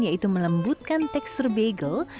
yaitu melembutkan tekstur bagel